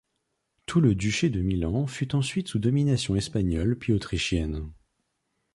Tout le duché de Milan fut ensuite sous domination espagnole puis autrichienne.